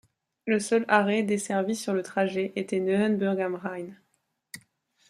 Le seul arrêt desservi sur le trajet était Neuenburg am Rhein.